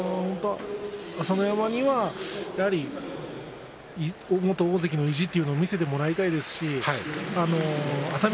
朝乃山には、やはり元大関の意地というものを見せてもらいたいですし熱海